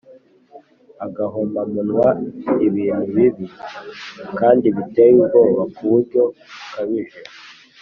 agahomamunwa: ibintu bibi kandi biteye ubwoba ku buryo bukabije